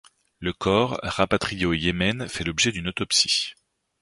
Le corps, rapatrié au Yémen, fait l'objet d'une autopsie.